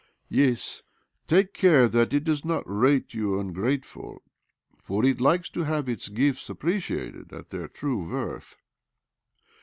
" Yes, take care that it does not rate you ungrateful, for it likes to have its gifts appreciated at their true worth.